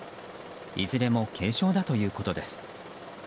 いずれも軽傷だということです。